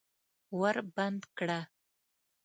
ور بند کړه!